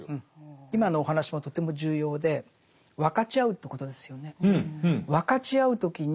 今のお話もとても重要で分かち合うということですよね。